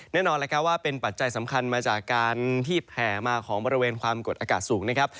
แน่นอนแล้วครับว่าเป็นปัจจัยสำคัญมาจากการที่แผ่มาของบริเวณความกดอากาศสูงนะครับ